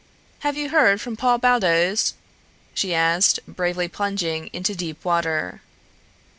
"Have you heard from Paul Baldos?" she asked, bravely plunging into deep water.